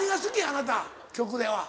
あなた曲では。